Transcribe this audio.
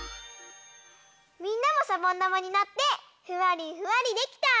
みんなもしゃぼんだまになってふわりふわりできた？